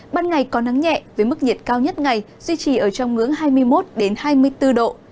ban ngày có nắng nhẹ với mức nhiệt cao nhất ngày duy trì ở trong ngưỡng hai mươi một hai mươi bốn độ